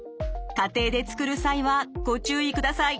家庭で作る際はご注意ください。